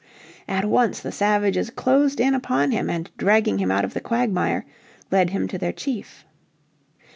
At once the savages closed in upon and, dragging him out of the quagmire, led him to their chief.